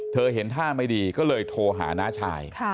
เห็นท่าไม่ดีก็เลยโทรหาน้าชาย